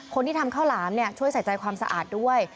คนที่ทำข้าวหลามช่วยใส่ใจความสะอาดด้วย